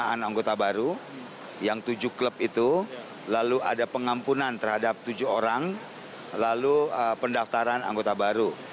pendana anggota baru yang tujuh klub itu lalu ada pengampunan terhadap tujuh orang lalu pendaftaran anggota baru